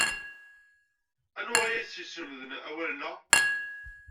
Anwa ay as-yeslemden awalen-a?